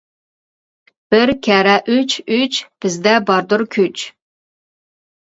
بىر كەررە ئۈچ ئۈچ، بىزدە باردۇر كۈچ.